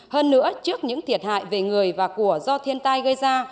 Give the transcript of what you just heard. hơn nữa trước những thiệt hại về người và của do thiên tai gây ra